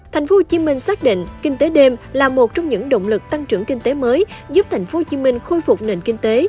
tp hcm xác định kinh tế đêm là một trong những động lực tăng trưởng kinh tế mới giúp tp hcm khôi phục nền kinh tế